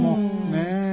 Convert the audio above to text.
ねえ。